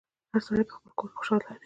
هر سړی په خپل کور کي خوشحاله دی